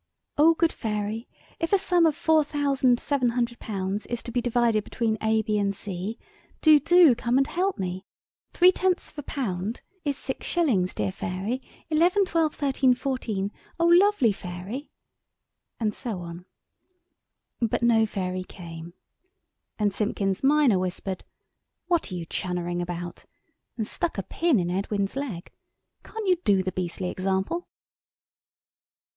"Oh, good Fairy, if a sum of £4,700 is to be divided between A, B, and C,—do, do come and help me. Three tenths of a pound is six shillings, dear Fairy—eleven—twelve—thirteen—fourteen—oh, lovely Fairy—" and so on. But no Fairy came. And Simpkins minor whispered— "What are you chunnering about?" and stuck a pin into Edwin's leg. "Can't you do the beastly example?"